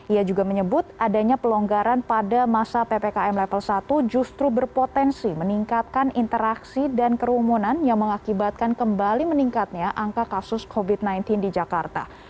ia juga menyebut adanya pelonggaran pada masa ppkm level satu justru berpotensi meningkatkan interaksi dan kerumunan yang mengakibatkan kembali meningkatnya angka kasus covid sembilan belas di jakarta